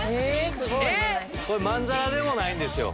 まんざらでもないんですよ。